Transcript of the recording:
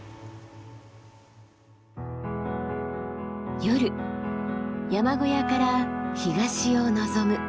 夜山小屋から東を望む。